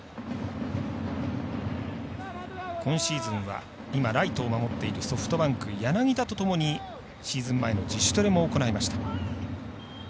今シーズンは今、ライトを守っているソフトバンクの柳田とともにシーズン前の自主トレも行いました。